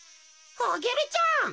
アゲルちゃん。